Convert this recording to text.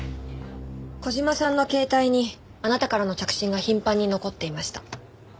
小島さんの携帯にあなたからの着信が頻繁に残っていました。